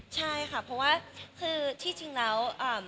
ใช่ค่ะเพราะว่าคือที่จริงแล้ว